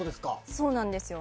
そうなんですよ。